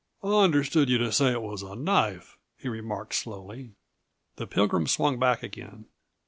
"I understood yuh to say it was a knife," he remarked slowly. The Pilgrim swung back again.